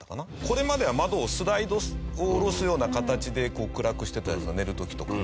これまでは窓をスライド下ろすような形で暗くしてたじゃないですか寝る時とか。